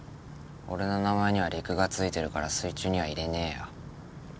俺の名前には陸がついてるから水中にはいれねえよ。